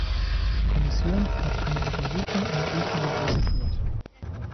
Die Kommission hat eine Untersuchung in Griechenland durchgeführt.